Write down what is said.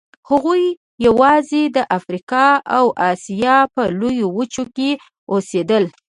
هغوی یواځې د افریقا او اسیا په لویو وچو کې اوسېدل.